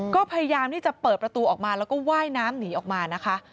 ก็พยายามที่จะเปิดประตูออกมาแล้วก็ว่ายน้ำหนีออกมานะคะ